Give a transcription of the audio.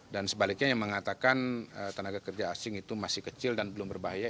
dan sebaliknya yang mengatakan tenaga kerja asing itu masih kecil dan belum berbahaya